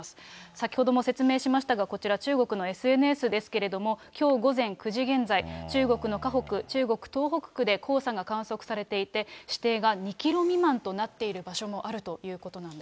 先ほども説明しましたが、こちら中国のＳＮＳですので、きょう午前９時現在、中国の華北、中国東北区で黄砂が観測されていて、視程が２キロ未満となっている場所もあるということなんです。